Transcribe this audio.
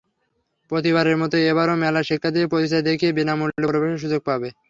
প্রতিবারের মতো এবারও মেলায় শিক্ষার্থীরা পরিচয়পত্র দেখিয়ে বিনা মূল্যে প্রবেশের সুযোগ পাবে।